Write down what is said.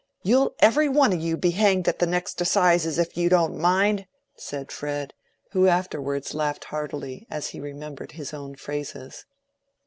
You'll every one of you be hanged at the next assizes, if you don't mind," said Fred, who afterwards laughed heartily as he remembered his own phrases.